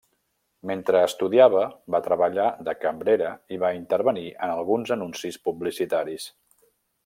Mentre estudiava va treballar de cambrera i va intervenir en alguns anuncis publicitaris.